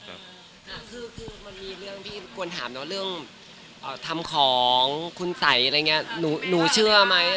คือมันมีเรื่องที่กวนถามเนอะเรื่องทำของคุณใส่อะไรเงี้ยหนูเชื่อไหมอะไรเงี้ย